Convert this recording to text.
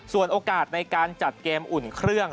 ส่วนโอกาสในการจัดเกมอุ่นเครื่อง